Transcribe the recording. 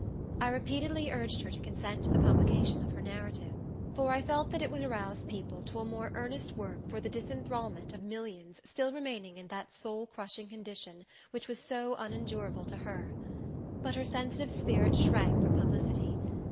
I repeatedly urged her to consent to the publication of her narrative; for I felt that it would arouse people to a more earnest work for the disenthrallment of millions still remaining in that soul crushing condition, which was so unendurable to her. But her sensitive spirit shrank from publicity.